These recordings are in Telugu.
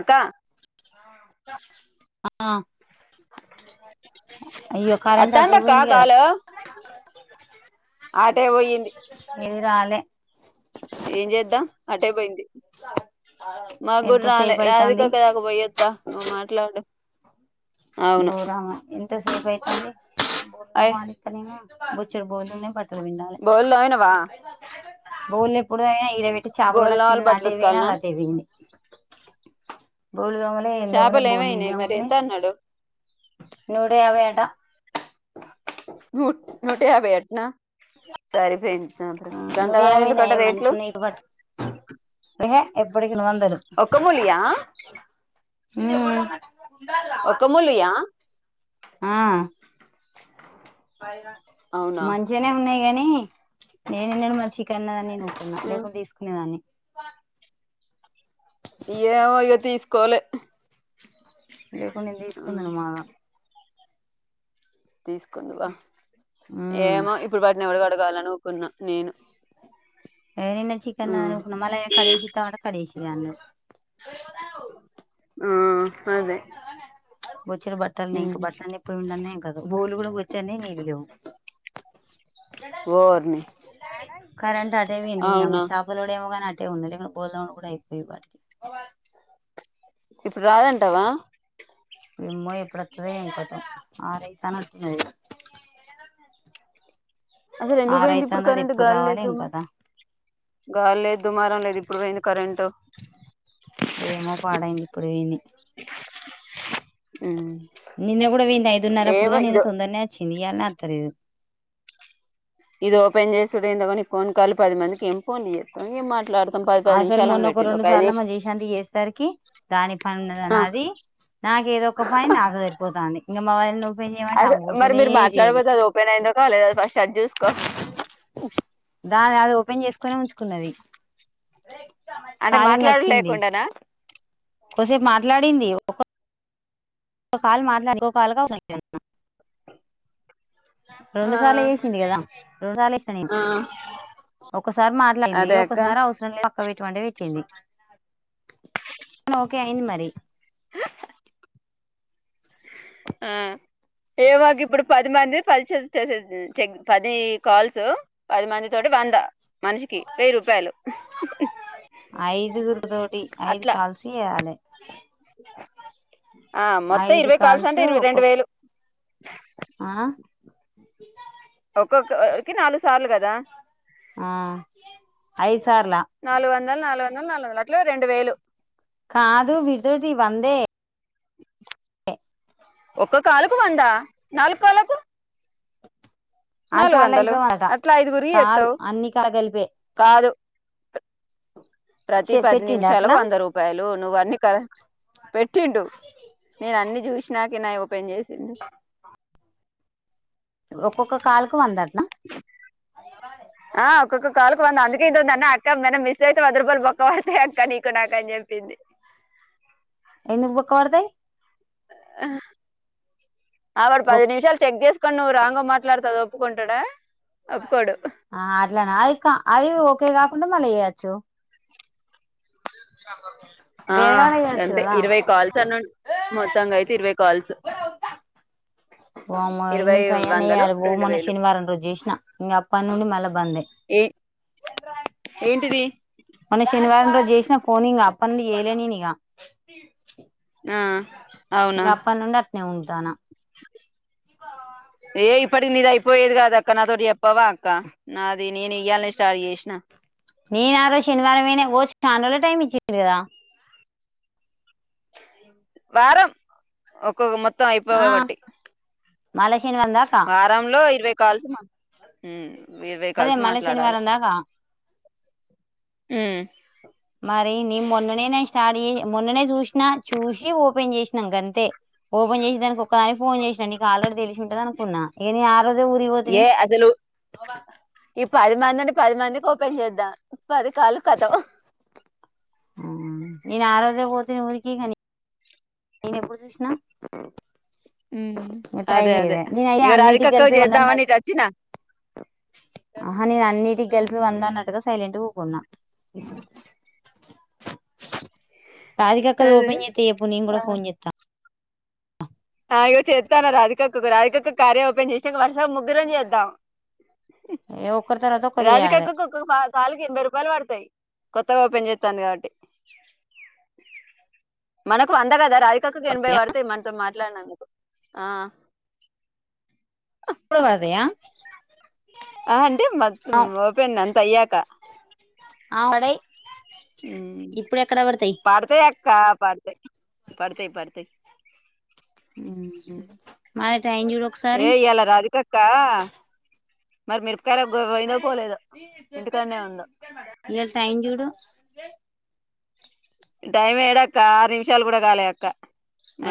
అకా అక్క ఆ అయ్యో కరెంట్ అటే అత్తాండక్క పోయింది కదా కాలొ అటే పోయింది ఇవి రాలే ఏం జేద్దం అటేపోయింది మా గుడ్రాలే ఎంతసేపు రాధికా అయితాంది అక్క దాక పోయ్యొత్త నువ్వు మాట్లాడు అవును బోరామ ఎన్ ఎంత సేప్ అయితాంది ఊర్లో అయ్ బోనీత్త డీనా బొచ్చర్ బోదున్న పట్ బోల్ దాగినవా బోల్ ఎప్పుడు తాగిన అయ్ ఈడ బెట్టి చాపలు గుడ చిన్న తోమాలి బట్టలు నాటే బెయినా ఉతకాలనా నాటే బెయింది పోలి దొంగలే ఎం దొంగలే చేపలు బోలీ ఏమైనాయి మరి న్యావ్నే ఎంత అన్నాడు నోటయాభై అంట రూట్ నుటయాభై అట్నా సరి పెయింది దాంత ఆ నూట గంతగనం యాభై ఎందుకట నయం రేట్లు మంచిగున్నాయి ఎప్పు డి ఇల వందరు ఒక్క మూలియా ఉమ్ ఒక ములియ ఆయ్ అవునా మంచిగానే ఉన్నాయి గని నేనున్నడు మ చికన్నదాన్ని నవ్వుకున్నా ఉమ్, లేకుండా తీసుకునేదాన్ని హ ఏమో ఇగ తీసుకోలె లేకుండా నేను తీసుకున్నాాను మన తీసుకుందుగ ఉమ్ ఏమో ఇప్పుడు వాటిని ఎవరు క అడగాలనుకున్నా నేను ఏ నిన్న చికెన్ ఉమ్. తినాలనుకున్నాం మళ్ళ కడేసి తోటకాడ అన్న ఆ అదే ప్చ్ వచ్చిన బట్టల్ని ఇంక బట్టల్నెప్పుడు పిండాల్నే కదు బోర్లు కూడా బొచ్చు ఉన్నయ్ నీళ్లు లేవు ఓర్ని ప్చ్ కరెంట్ అట్టేపోయింది నీయమ్మ అవునా చాపలోడెమోగాని అట్ తే ఉన్నలిమే బోర్లు తోమడం కూడా అయిపేయివ్ వాటికి ఇప్పుడు రాదంటావా ఏమో ఎప్పుడూ వత్తదొ ఏం కతో ఆరు అయితనట్టు ఉన్నది అసలు ఎందుకు పోయింది ఇప్పుడు కరెంట్ ఏం గాలిలేకుండా కథ గాలి లేదు మర లేదు ఇడు ఇప్పుడు పోయింది కరెంటు ఏమో పాడైంది ప్పుడు పోయింది మ్మ్ నిన్న కూడా పొయింది ఐదున్నర అప్పుడు నిన్న తొందరనే వచ్చింది ఎన్న వత్తలేదు ఇది ఓపెన్ చేసుడు ఎందొ కానీ ఫోన్ కాల్ పది మందికి ఏం ఫోన్ చేస్తాం ఏం మాట్లాడుతాం అసలు మొన్నొ ఒక రెండు సార్లు ఏమో చేశాది చేసరికి దాని పని ఆ ఉన్నదని నాకి ఏదో ఒక పని నాకు సరిపోతాంది ఇంగ మా ఆయన అస మరి మీరు మాట్లాడపోతే అది ఓపెన్ అయిందో కాలేదో ఫస్ట్ అది చూసుకో క్కన ఉంచుకున్నది రేయ్ అంటే కాళింగ్ మాట్లాడుడు వచ్చింది లేకుండానా ఒకసేపు మాట్లాడింది ఒక ఒక కాల్ మాట్లాడి ఇంకో కాల్గా [unintelligible] వున్న రొండు సార్లు చేేసింది కదా రొండు సార్లు చెసిన నేను ఆ ఒకసారి మాట్లాడింది అదే అక్క ఒకసారి అవసరం లే ఒక పెటుమంటే పెట్టింది కానీ ఓకే అయింది మరి ఆ ఏమో గిప్పుడు పది మంది పది చేసే [inaudible] పది కాల్సు పది మంది తోటి వంద మనిషికి వెయ్యి రూపాయలు ఐదుగురు తోటి ఐదు అట్లా కాల్స్ చేయాలి ఆ మొత్తం ఐదు ఇరవై కాల్స్ అంటే కాల్సు ఇరవై రెండు ఒక్కక్ వేలు ఆ ఒక్కొక్కరికి నాలుగు సార్లు కదా ఆ అయ్స్ సర్లా నాల్గోన్దల్ నాలుగు వందలు నాలుగు లడ్లు రెండు వేలు కాదు విర్దదివ్ వందే ఒక కాలకు వందా నాలుగు కాలకు అన్ని కాళ్ళ కలిపే అట అట్లా ఐదుగురికి కాదు చేస్తావు అన్ని కళగలిపే కాదు ప్రతి పది నిమిషాలకు వంద రూపాయలు నువ్వ అన్ని కర పెట్టిండు నేను అన్ని చూసినా ఇగ నాయి ఓపెన్ చేసి అ ఒక్కొక్క కాలుకు వందటనా ఆ ఒక్కొక్క కాలకు వందా అందుకే ఇంటున్న క్క మన మిస్ సతే అద్రరూపాల్లు బొక్క వాదాత్తాయి అంట నీకు క్కడా నాకని జెప్పింది ఎందుకు దుఃఖ వడతాయ్ ఆ ఆ పడు పది నిమిషాలు చెక్ చేసుకని నువ్వు రాంగ మాట్లాడత దో ప్పు కొంటడా అట్లానే అది కా అది ఒకే కా ఉంటే మలయయాచ్చు [unintelligible] ఆ వేరేగానే వేయచ్చు అంటే కదా ఇరవై కాల్స్ అని మొత్తంగా అయితే ఇరవై కాల్స్ వామ్మో ఇగ ఇరవై నేన్ ట్రై వందలు అన్నజెయ్యాలి రెండు మొన్న వేలు శనివారం రోజు చేసిన ఇకా అప్పాయి నుండి మళ్ళా బందే ఏ ఏంటిది మొన్న శనివారం రోజు చేస్ న ఫోన్ ఇంగ ఆపనుండి ఏయలేని నిగా ఆ అవునా ఇంకా అప్పటినుండి నే ఉంటాను ఏ ఇప్పటికి నీది అయిపోయేది కాదు అక్క నాతోటి చెప్పవా అక్క నాది నేను ఇయ్యాలని స్టార్ట్ చేసిన నేన్ శనివారం మైన పోవచ్చు టైమ్ ఇచ్చింది కదా వారం ఒక్కొక్క మొత్తం మొత్తం అయిపోయి ఆ ఒకటి మళ్ళా శనివారం దాకా వారంలో ఇరవై కాల్సి ఇరవై అదే కాల్సి మళ్ళ మాట్లాడాలి శనివారం దాకా మరి నే మొన్ననే నేను స్టార్ట్ చే మొన్ననే చూసిన చూసి ఓపెన్ చేసినా ఇంకంతే ఓపెన్ చేసే దానికి ఒకసారి ఫోన్ చేసినాను నీకు ఆల్రెడీ తెలిసి ఉంటుంది అనుకున్నా ఏని ఆ రోజే ఊరిగిపోతుని ఏ అసలు ఈ పది మంది ఉంటే పది మందికి ఓపెన్ చేద్దా పది కాలు కతం ఇను ఆరోజే పోతినీ ఊరికిీ కనీ నేనెప్పుడు చూసినా ఉమ్ టైం అదే అదే ఇదే నేన అయి ఇగ అన్నిటికి రాధికక్కకు కలిపి చేద్దామని వందన్నట్ ఇటు వచ్చిన ఆహా నేను అన్నిటికి కెలిపి వంద అన్నట్టుగా సైలెంట్గా ఊకున్నా రాధికక్కడి అదే ఓపెన్ చేస్తే చెప్పు నేను కూడా ఆ ఇగో చేస్తాను రాధికకు రాధికకు కార్య ఓపెన్ చేసినా వరుసగా ముగ్గురం చేద్దాం ఏ ఒక్కరి తర్వాత ఒకరు చేయాలే రాదికక్కకు ఒక కాలికి ఎనబై రూపాయలు పడతాయి కొత్తగా ఓపెన్ చేస్తుంది కాబట్టి మనకు అంద కదా రా అక్కకు ఎనబై పడితే మనతో మా ఆ ఇప్పుడే పడతాయా ఆ అంట మ ఓపెన్ అంత అయ్యాక అవు పడుతే ఎ కా పడుతయి పడతయి పడతయి మ ఏ ఇయ్యాల రాధికక్క మరి మిరపకాయలు పోయిందొ పోలేదొ ఇంటికనే ఉందో ఇక టైం చూడు టైం ఎడాక్క ఆరు నిమిషాలు కూడా కాలే అక్క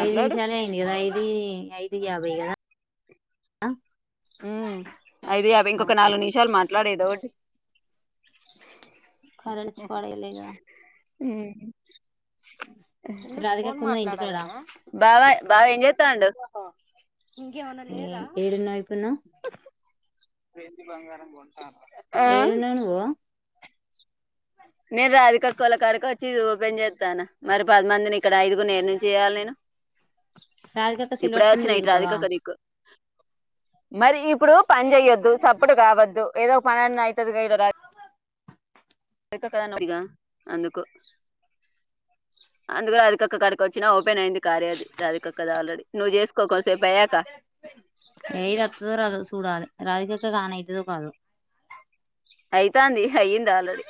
ఐదు నిమిషాలే అయింది అదా ఐదుఐ యాభైగా ఉ అయిది అ ఇంకొక నాలుగు నిమిషాలు మాట్లాడేది ఒకటి కరడిచి పడేయలేదు కదా అ ఫోన్ రాధికక్క ఉన్నదా ఇంటికాడ మాట్లాడాలనా బావ బాబ ఏం ఇంకేం అన లేదా అప్పున్నా రతి బంగారంభ ఉంట ఆ ఏడున్నావు నువ్వు నేను రాధిక అక్కల కాడక వచ్చి ఇది ఓపెన్ చేస్తాను మరి పదిమందిని ఇక్కడ ఐదుగు నేను ను చేయ్యాలి నేను రాధికక్క సెల్ ఇప్పుడే వచ్చి పట్టుకొని నైట్ తిరుగుతావా రాధిక క నీకు మరి ఇప్పుడు పని చెయ్యొద్దు సపోర్ట్ కావద్దు ఏదో ఒక పనిన్న అవుతుంది కళ రా అ అందుకు అందుక అదికక్క కడక వచ్చిన ఓపెన్ అయింది కార్యది రాధిక కదా ఆల్రెడీ నువ్వు చేసుకో కొసేపు అయ్యాక రాజిక ఒ ఒక కాన ఇతద కాదు అయితా అంది అయ్యింది ఆల్రెడీ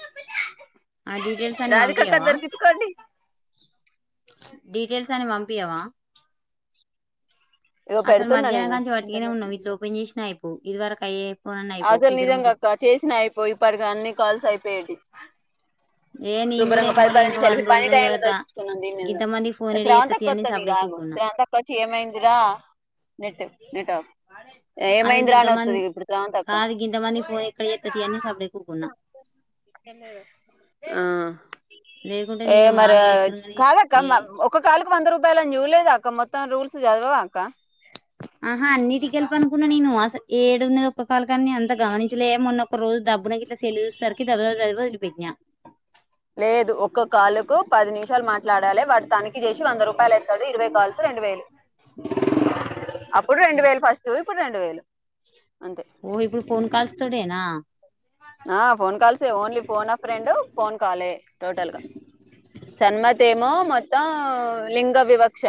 ఆ డీటెయిల్స్ అన్ని రాదికక్క పంపియవా దొరికించుకోండి డీటెయిల్స్ అని పంపియావ ఇగో అసలు పెడుతున్నా నేను మధ్యాన్నాంచి వట్టిగానే ఇంటర్నెట్ ఉన్నాం ఇట్లో ఓపెన్ జెసన్నవ్ అయ్ ఇది వరకైయే పో అసలు నిజంగాక్క చేసినా అయిపోయి ఇప్పటికీ అన్ని కాల్స్ అయ్పోయేటివి ఏ నేను కూడా శుభ్రంగా పది ఏమోలే పది ఇంకా నిమిషాలు వారం పని టై రోజులు లో కదా దొరికించుకున్నాం దీని గింతమంది ఫోన్ ఎడ శ్రవం చేత్తతి తక్కువ అని సప్పుడేక వస్తుందిదు ఊకున్నా శ్రవణం తక్కువ వచ్చి ఏమైందిరా నెట్ నెట్ అసలు ఏమైందిరా అని గింతమంది వస్తుంది ఇప్పుడు శ్రవణ తక్కువ కాదు గింతమంది ఫోన్ ఎక్కడ చేత్తతి అని సప్పుడేక ఊకున్నా ఆ లేకుంటే ఏ నేను మరి బాగా చేత్తురు గాని కాదక్క ఏ ఒక కా ల్క్ వంద రూపాయలు అని చూళ్ళేదక్క మొత్తం రూల్స్ చదవాక ఆహా అన్నిటికెళ్పు అనుకున్నా నేను అస ఏడున్నద్ ఒక కల్ కన్ని అంత గానించలే మొన్న ఒక రోజు డబ్బునకి ఇట్లా సెల్లు చూసే సరికి [unintelligible] వదిలి పెట్న లేదు ఒక్క కాలుకు పది నిమిషాలు మాట్లాడాలి వాడు తనిఖీ చేసి వంద రూపాయలు ఎస్తాడు ఇరవై కాల్సు రెండు వేలు అప్పుడు రెండు వేల ఫస్ట్ ఇప్పుడు రెండు వేలు అంతే ఓ ఇప్పుడు ఫోన్ కాల్స్ తోటేనా ఆ ఫోన్ కాల్స్ ఏ ఓన్లీ ఫోన్ ఏ ఫ్రెండు ఫోన్ కాలే టోటల్ గా సన్మతి ఏమో మొత్తం లింగ వివక్ష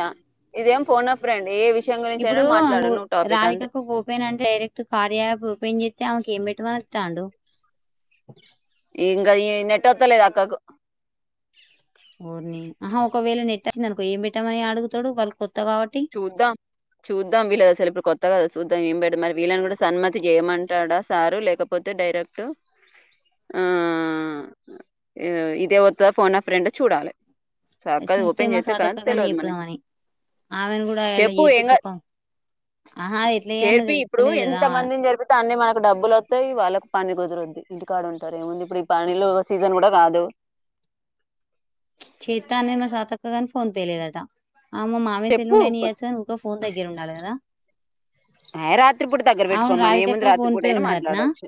ఇదేం ఫోన్ ఆఫ్ ఫ్రెండ్ ఏ విషయం గురించి అయినా ఇప్పుడు మాట్లాడు నువ్వు టాపిక్ అంతే రాధికకు ఓపెన్ అంటే డైరెక్ట్ కార్య యాప్ ఓపెన్ చేసి తే ఆమెకు ఏం పెట్టమనాలి చందు ఇంగ ఈ నెట్ వత్తలేదు అక్కకు ఊరిని ఆహా ఒకవేళ నెట్ వస్తది అనుకో ఏం పెట్టామని అడుగుతాడు వాళ్ళ చూద్దాం చూద్దాం వీళదు అసలు ఇప్పుడు కొత్తగాద చూద్దాం ఏం పెట్ మరి వీళ్ళని కూడా సన్మతి చేయమంటాడా సారు లేకపోతే డైరెక్ట్ ఆ ఇదే వత్తద ఫోన్ ఏ ఫ్రెండ్ చూడాలి చక్కదు చూస్తే ఓపెన్ మా చేత్తే కాన్ సాతక్క కన్నా తెలియదు మనకి చెప్పుదామని ఆమెను కూడా అలా చెప్పు చేర్పి ఏం కాదు తొక్కం ఆహా ఎట్లా చేయనో చేర్పియి ఇప్పుడు తెలుస్తలేదు కదా ఎంత మందిని చేరిపిత్తే అన్ని మనకు డబ్బులువ త వాళ్ళకు పని కుదురుద్ది ఇంటికాడ ఉంటారు ఏముంది ఇప్పుడు ఈ పనీలో సీజన్ కూడా కాదు చేత్తా అన్నది మా స్వాతక్క గానీ ఫోన్ తీలేదట అమే మామయ్యా సెల్ చెప్పు నుండయినచెయచ్చు ఇంకో ఫోన్ దగ్గరుండాడు కదా ఏ రాత్రిపూట దగ్గర అవును పెట్టుకోమ్మను ఏముంది రాధికక్క ఫోన్ రాత్రిపూట పే అయినా ఉన్నదటనా మాట్లాడచ్చు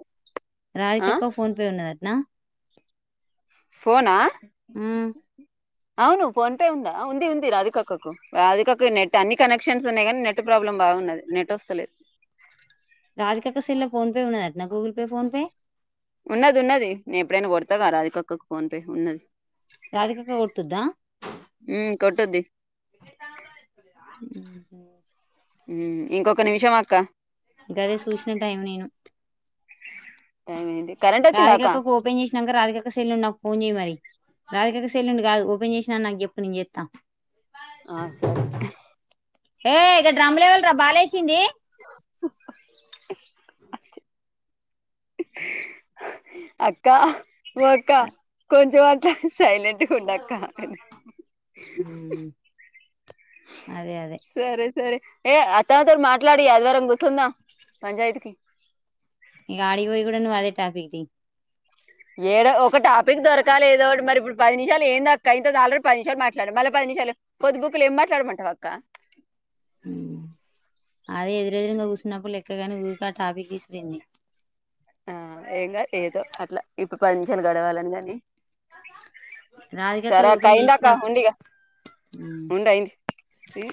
ఆ రాధికక్క ఫోన్ పే ఉన్నదటనా ఫోనా ఉమ్ అవును ఫోన్ పే ఉందా ఉంది ఉంది రాధికక్కకు రాధికక్క కు నెట్ అన్ని కనెక్షన్స్ ఉన్నాయి కానీ నెట్ ప్రాబ్లం బాగున్నది నెట్ వస్తలేదు రాధికక్క సెల్ ల ఫోన్ పే ఉన్నాదట్నా గూగుల్ పే ఫోన్ పే ఉన్నది ఉన్నది నేను ఎప్పుడైనా కొడతాగా రాదికక్కకు ఫోన్ పే ఉన్నది రాధికక్క కుట్టుద్దా ఉమ్, కొట్టొద్ది ఇంకొక నిమిషం అక్క గదే చూసిన టైం నేను టైం అయ్యింది కరెంట్ వచ్చిందాక్కా సెల్లు నుండి నాకు ఫోన్ చేయి మరి రాధికక్క సెల్లు నుండి కాదు ఓపెన్ చేసినా అని నాకు చెప్పు నేను చేత్తా ఆ, సరే ఏ గా డ్రంబులేవర్రా గా బాలేసింది సింది అక్క ఓ అక్క కొంచెమ సైలెంట్ గా ఉండక్క ఉమ్ అదే అదే సరే సరే ఏ అత్తతోటి మాట్లాడియి ఆదివారం కూసుందాం పంచాయితీకిి ఈగ ఆడికి పోయి కూడా నువ్ అదే టాఫిక్ తీ ఏడ ఒక టాపిక్ దొరకలే మరి ఇప్పుడు పది నిమిషాలు ఏందక్క ఇంతద ఆల్రెడీ పది నిమిషాలు మాట్లాడ మళ్ళీ పది నిమిషాలు పొద్దు బుకులు ఏం మాట్లాడమంటావు అక్క అదే ఎదురెదురుగా కూసున్నప్పుడు లెక్క గాని ఊకే ఆ టాపిక్ తీసుడేంది ఆ ఏం కాదు ఏదో అట్లా ఇప్పు పది నిమిషాలు గడవాలి అన్నది రాధికక్క సరే అక్క ఓపెన్ అయిందక్క చేసినప్ ఉండు ఇగ ఉండు అయింది